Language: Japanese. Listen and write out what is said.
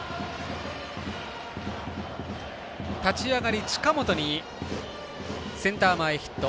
立ち上がり、近本にセンター前ヒット。